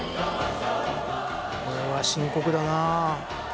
これは深刻だな。